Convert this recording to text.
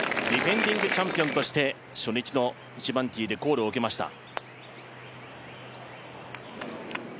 ディフェンディングチャンピオンとして初日の１番ティーでコールを受けました。